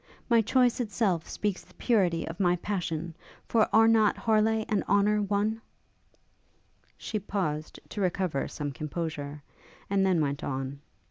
My choice itself speaks the purity of my passion, for are not Harleigh and Honour one?' She paused to recover some composure, and then went on.